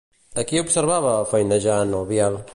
A qui observava feinejar, el Biel?